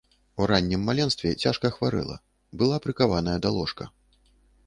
У раннім маленстве цяжка хварэла, была прыкаваная да ложка.